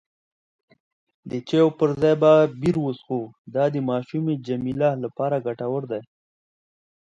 د چایو پر ځای به بیر وڅښو، دا د ماشومې جميله لپاره ګټور دی.